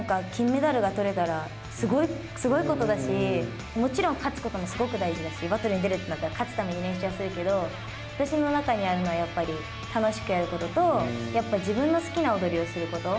もちろん金メダルが取れたらすごいことだしもちろん勝つこともすごく大事だしバトルに出たときは勝つために練習するけど私の中にあるのはやっぱり楽しくやることと自分の好きな踊りをすること。